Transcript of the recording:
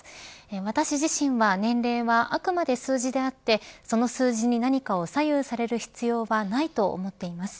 私自身は年齢は、あくまで数字であってその数字に何かを左右される必要はないと思っています。